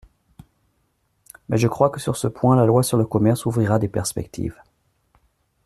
Mais je crois que sur ce point la loi sur le commerce offrira des perspectives.